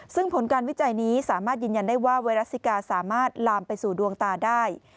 ซึ่งผลการวิจัยนี้สามารถยืนยันได้ว่าไวรัสสิกาสามารถลามไปสู่ดวงตาได้